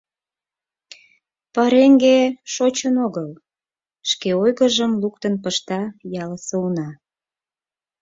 — Пареҥге шочын огыл, — шке ойгыжым луктын пышта ялысе уна.